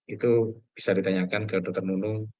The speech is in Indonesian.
itu bisa ditanyakan ke dr nunung